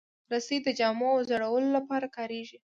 رسۍ د جامو وځړولو لپاره کارېږي.